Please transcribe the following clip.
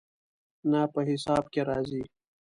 نه، په حساب کې راځي